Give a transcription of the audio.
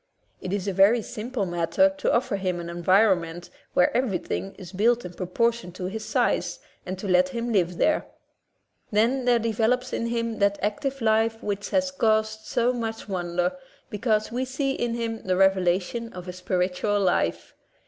It is a very simple mat ter to offer him an environment where every thing is built in proportion to his size, and to let him live there. Then there develops in him that active life which has caused so much wonder, because we see in him the reve lation of a spiritual life.